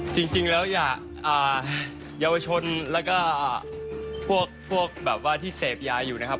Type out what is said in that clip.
จริงแล้วเยาวชนแล้วก็พวกแบบว่าที่เสพยาอยู่นะครับ